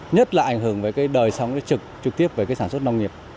nhất là ảnh hưởng về cái đời sống trực trực tiếp về cái sản xuất nông nghiệp